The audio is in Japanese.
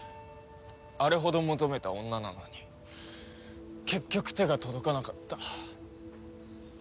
あれほど求めた女なのに結局手が届かなかった。